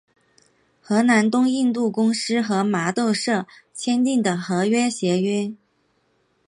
荷兰东印度公司和麻豆社签订的和平协约。